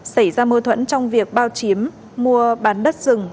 xảy ra mâu thuẫn trong việc bao chiếm mua bán đất rừng